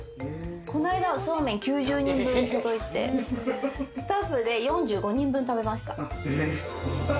この間はそうめん９０人分届いて、スタッフで４５人分、食べました。